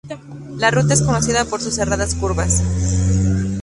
La ruta es conocida por sus cerradas curvas.